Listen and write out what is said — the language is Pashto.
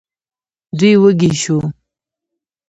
دوی وږي شوو.